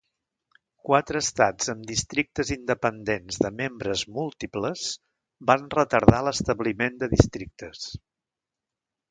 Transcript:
Quatre estats amb districtes independents de membres múltiples van retardar l'establiment de districtes.